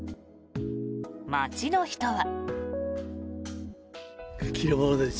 街の人は。